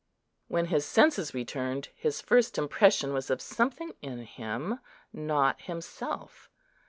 When his senses returned, his first impression was of something in him not himself.